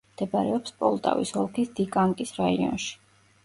მდებარეობს პოლტავის ოლქის დიკანკის რაიონში.